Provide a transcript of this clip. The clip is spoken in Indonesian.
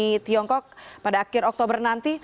di tiongkok pada akhir oktober nanti